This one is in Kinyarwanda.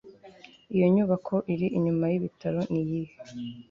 iyo nyubako iri inyuma yibitaro niyihe